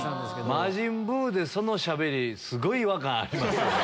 魔人ブウでそのしゃべりすごい違和感ありますね。